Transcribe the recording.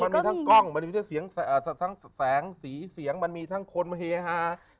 มันมีทั้งกล้องมันมีทั้งเสียงทั้งแสงสีเสียงมันมีทั้งคนเฮฮา